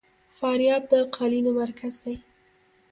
فاریاب د قالینو مرکز دی